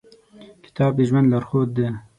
کتاب د ژوند لارښود دی.